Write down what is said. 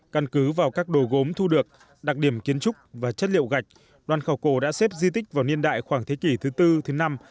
căn cứ vào các đồ gốm thu được đặc điểm kiến trúc và chất liệu gạch đoàn khảo cổ đã xếp di tích vào niên đại khoảng thế kỷ thứ tư thứ năm